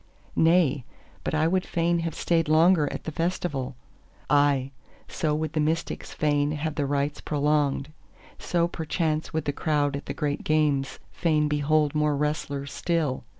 —"Nay, but I would fain have stayed longer at the Festival."—Ah, so would the mystics fain have the rites prolonged; so perchance would the crowd at the Great Games fain behold more wrestlers still.